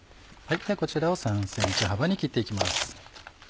こちらを３ｃｍ幅に切って行きます。